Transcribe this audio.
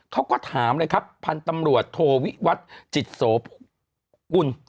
เขาก็ถามเลยครับพันธุ์ตำรวจโทวิวัตรจิตโสกุล